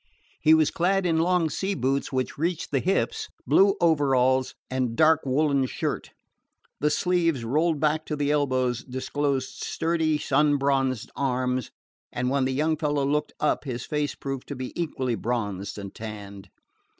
He was clad in long sea boots which reached the hips, blue overalls, and dark woolen shirt. The sleeves, rolled back to the elbows, disclosed sturdy, sun bronzed arms, and when the young fellow looked up his face proved to be equally bronzed and tanned.